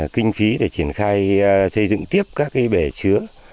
kinh phí để triển khai xây dựng tiếp các bể chứa